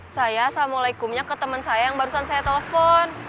saya assalamualaikumnya ke temen saya yang barusan saya telepon